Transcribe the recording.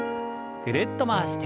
ぐるっと回して。